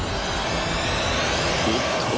おっと！